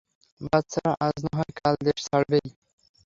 বাচ্চারা আজ না হয় কাল দেশ ছাড়বেই!